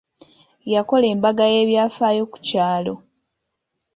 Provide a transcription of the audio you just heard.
Yakola embaga y'ebyafaayo ku kyalo.